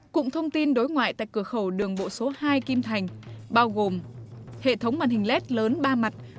cụm thông tin đối ngoại tại cửa khẩu đường bộ số hai kim thành bao gồm hệ thống màn hình led lớn ba mặt